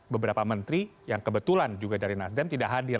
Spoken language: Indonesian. beberapa menteri yang kebetulan juga dari nasdem tidak hadir